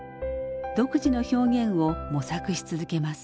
独自の表現を模索し続けます。